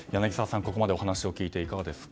ここまでお話を聞いていかがですか？